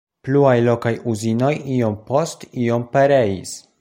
Pluaj lokaj uzinoj iom post iom pereis.